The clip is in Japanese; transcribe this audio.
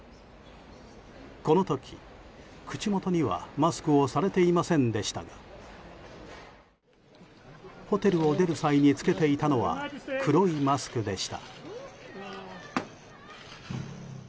この時、口元にはマスクをされていませんでしたがホテルを出る際に着けていたのは黒いマスクでした。